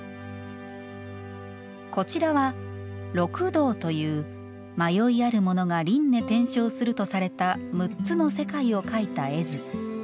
こちらは、六道という迷いある者が輪廻転生するとされた「６つの世界」を描いた絵図。